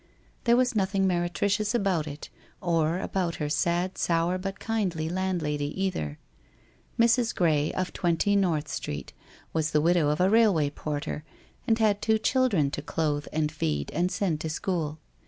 There was nothing meretricious about it, or about her sad, sour, but kindly landlady, either. Mrs. Gray of 20 North Street was the widow of a railway porter, and had two children to clothe and feed and send to school.